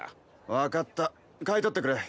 分かった買い取ってくれ。